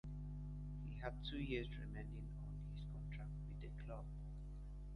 He had two years remaining on his contract with the club.